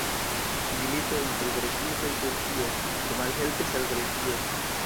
Milito inter Grekio kaj Turkio tro malhelpis al Grekio.